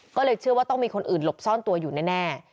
ก็เลยเชื่อว่าต้องมีคนอื่นหลบซ่อนตัวอยู่แน่